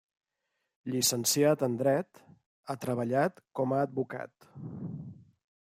Llicenciat en dret, ha treballat com a advocat.